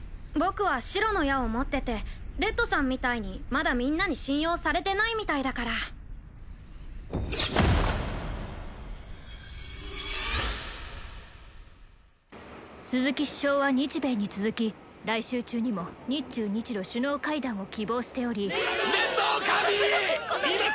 僕は白の矢を持っててレッドさんみたいにまだみんなに信用されてないみたいだから鈴木首相は日米に続き来週中にも日中・日露首脳会談を希望しておりレッドを神に！